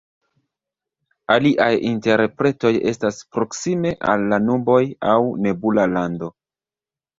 Aliaj interpretoj estas "proksime al la nuboj" aŭ "nebula lando".